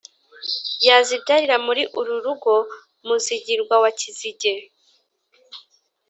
yazibyarira muri uru rugo muzigirwa wa kizige